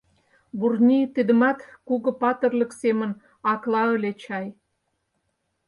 Бурни тидымат кугу патырлык семын акла ыле чай».